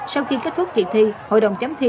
sau khi kết thúc kỳ thi hội đồng chấm thi